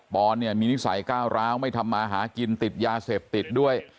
อนเนี่ยมีนิสัยก้าวร้าวไม่ทำมาหากินติดยาเสพติดด้วย